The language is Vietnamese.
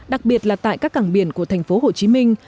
đặc biệt là tại các cảng biển của thành phố hồ chí minh